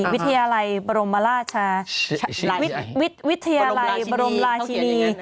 วิทยาลัยบรมราชวิทยาลัยบรมราชินี